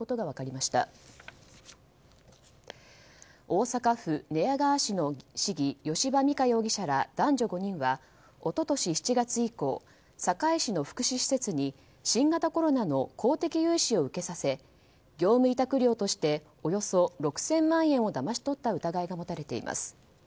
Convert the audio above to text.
大阪府寝屋川市の市議吉羽美華容疑者ら男女５人は一昨年７月以降堺市の福祉施設に新型コロナの公的融資を受けさせ業務委託料としておよそ６０００万円をだまし取った疑いが持たれています。